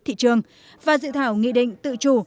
thị trường và dự thảo nghị định tự chủ